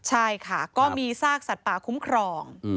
ใช่ค่ะก็มีซากสัตว์ป่าคุ้มครอง